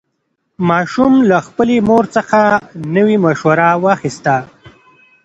ماشوم له خپلې مور څخه نوې مشوره واخیسته